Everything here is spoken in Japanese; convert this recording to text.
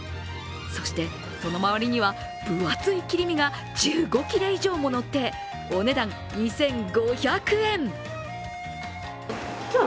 そして、その周りには分厚い切り身が１５切れ以上ものってお値段２５００円。